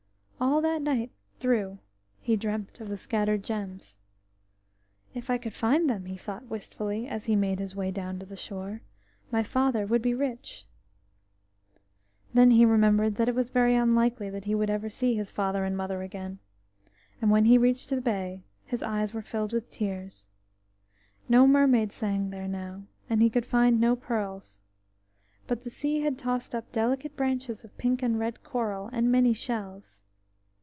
All that night through he dreamt of the scattered gems. "If I could find them," he thought wistfully, as he made his way down to the shore, "my father would be rich." Then he remembered that it was very unlikely that he would ever see his father and mother again, and when he reached the bay, his eyes were filled with tears. No mermaid sang there now, and he could find no pearls: but the sea had tossed up delicate branches of pink and red coral, and many shells.